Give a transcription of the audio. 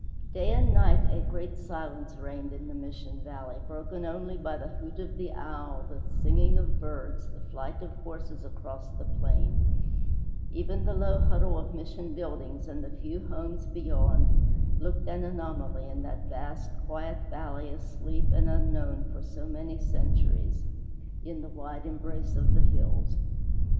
Day and night a great silence reigned in the Mission valley, broken only by the hoot of the owl, the singing of birds, the flight of horses across the plain. Even the low huddle of Mission buildings and the few homes beyond looked an anomaly in that vast quiet valley asleep and unknown for so many centuries in the wide embrace of the hills.